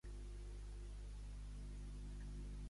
Tor El navegador és un de l'eina millor disponible.